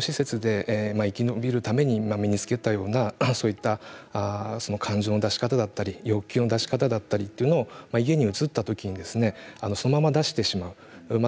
施設で生き延びるために身につけたような感情の出し方だったり欲求の出し方だったりというものが家に移ったときにそのまま出してしまう。